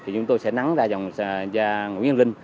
chúng tôi sẽ nắng ra nguyễn văn linh